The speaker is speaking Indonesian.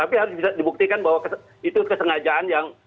tapi harus bisa dibuktikan bahwa itu kesengajaan yang